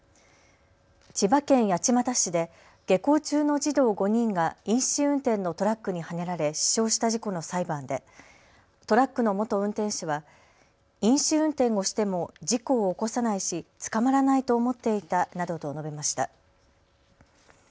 千葉県八街市で下校中の児童５人が飲酒運転のトラックにはねられ死傷した事故の裁判でトラックの元運転手は飲酒運転をしても事故を起こさないし捕まらないと思っていたなどと述べました。